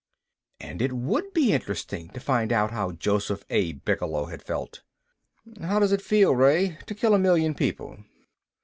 And it would be interesting to find out how Joseph A. Bigelow had felt. "How does it feel, Ray, to kill a million people?"